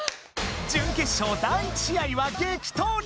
準決勝第１試合はげきとうに！